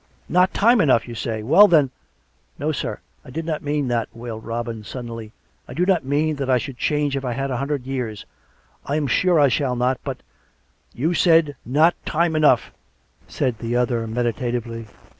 " Not time enough, you say? Well, then "" No, sir ; I did not mean that," wailed Robin suddenly. " I do not mean that I should change if I had a hundred years; I am sure I shall not. But "" You said, ' Not time enough,' " said the other medi tatively.